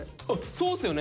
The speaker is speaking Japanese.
そうっすよね！